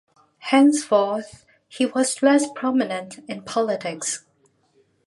Henceforth he was less prominent in politics.